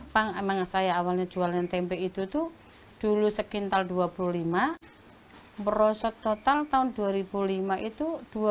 pang emang saya awalnya jualan tempe itu tuh dulu sekitar dua puluh lima merosot total tahun dua ribu lima itu dua puluh